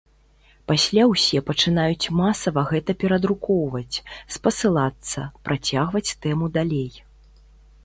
Пасля ўсе пачынаюць масава гэта перадрукоўваць, спасылацца, працягваць тэму далей.